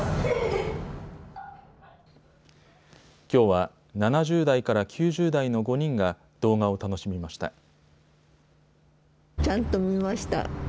きょうは７０代から９０代の５人が動画を楽しみました。